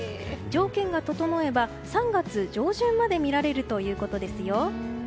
条件が整えば３月上旬まで見られるということですよ。